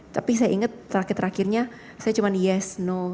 tapi saya ingat terakhir terakhirnya saya cuma yes no